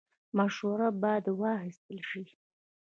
مشوره باید واخیستل شي